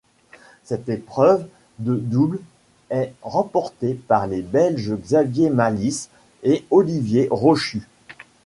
Cette épreuve de double est remportée par les Belges Xavier Malisse et Olivier Rochus.